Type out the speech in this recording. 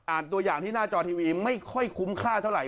ตัวอย่างที่หน้าจอทีวีไม่ค่อยคุ้มค่าเท่าไห